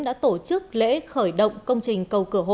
đã tổ chức lễ khởi động công trình cầu cửa hội